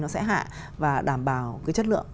nó sẽ hạ và đảm bảo cái chất lượng